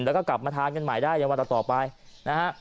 แล้วก็กลับมาทานกันใหม่ได้ในวันต่อไปนะฮะ